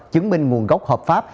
chứng minh nguồn gốc hợp pháp